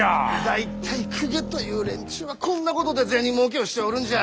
大体公家という連中はこんなことで銭もうけをしておるんじゃ。